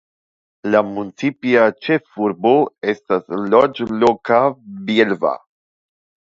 La municipa ĉefurbo estas loĝloko Bielva.